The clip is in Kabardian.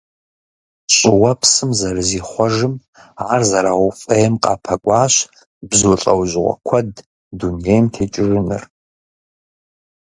ЩӀыуэпсым зэрызихъуэжым ар зэрауфӀейм къапэкӀуащ бзу лӀэужьыгъуэ куэд дунейм текӀыжыныр.